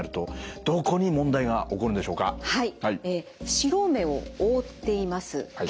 白目を覆っています結膜